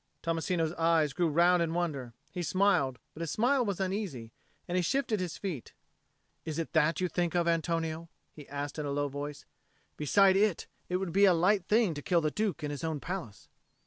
Tommasino's eyes grew round in wonder: he smiled, but his smile was uneasy, and he shifted his feet. "Is it that you think of, Antonio?" he asked in a low voice. "Beside it, it would be a light thing to kill the Duke in his own palace."